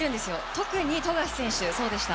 特に富樫選手がそうでした。